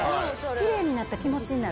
きれいになった気持ちになる。